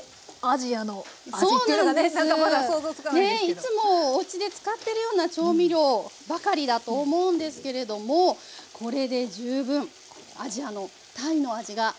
いつもおうちで使ってるような調味料ばかりだと思うんですけれどもこれで十分アジアのタイの味が再現できます。